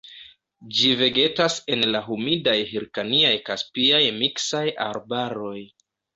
Ĝi vegetas en la humidaj hirkaniaj-kaspiaj miksaj arbaroj.